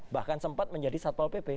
bahkan sempat menjadi satpol pp